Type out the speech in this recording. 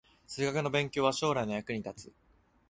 数学の勉強は将来の役に立つ